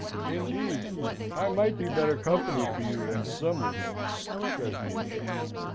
"Indeed I might be better company for you than some of them," says the other.